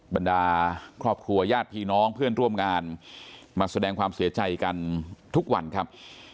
บรรดาครอบครัวญาติพี่น้องเพื่อนร่วมงานมาแสดงความเสียใจกันทุกวันครับ